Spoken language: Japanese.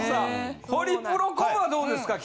ホリプロコムはどうですか？